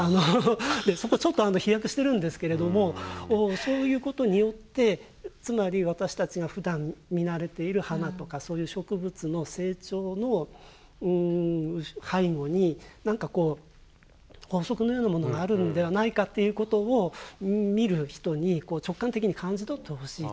そこちょっと飛躍してるんですけれどもそういうことによってつまり私たちがふだん見慣れている花とかそういう植物の成長の背後になんかこう法則のようなものがあるんではないかっていうことを見る人に直感的に感じ取ってほしいっていう。